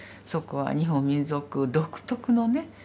そこは日本民族独特のね。